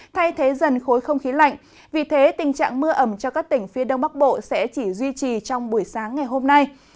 thay thế dần khối không khí lạnh vì thế tình trạng mưa ẩm cho các tỉnh phía đông bắc bộ sẽ chỉ duy trì trong buổi sáng ngày hôm nay